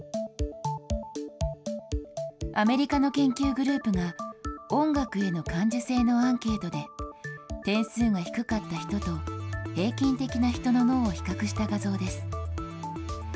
アメリカの研究グループが、音楽への感受性のアンケートで、点数が低かった人と平均的な人の脳を比較した画像です。